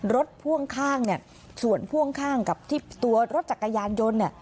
พ่วงข้างเนี่ยส่วนพ่วงข้างกับที่ตัวรถจักรยานยนต์เนี่ย